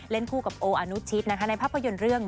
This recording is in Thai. เล่นคู่กับโออนุชิทในภาพยนตร์เรื่อง